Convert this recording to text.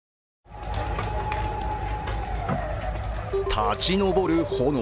立ち上る炎。